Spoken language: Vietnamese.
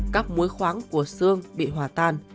các muối khoáng của xương bị hòa tan